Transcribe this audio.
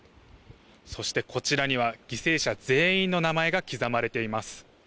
そしてこちらには、犠牲者全員の名前が刻まれています。